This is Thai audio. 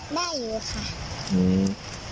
ได้อยู่ค่ะ